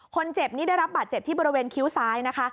คนเจ็บนี่ได้รับบาดเจ็บที่บริเวณคิ้วซ้ายนะคะ